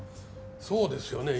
そうですよね。